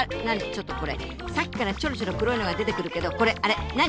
ちょっとこれさっきからチョロチョロ黒いのが出てくるけどこれあれ何？